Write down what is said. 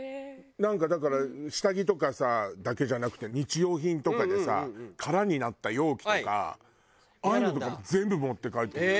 なんかだから下着とかだけじゃなくて日用品とかでさ空になった容器とかああいうのとかも全部持って帰ってくる。